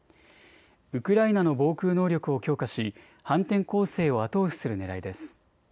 ウクライナの防空能力を強化し反転攻勢を後押しするねらいです。